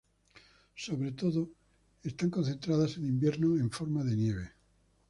Sobre todo están concentradas en invierno, en forma de nieve.